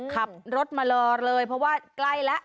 ขับรถมารอเลยเพราะว่าใกล้แล้ว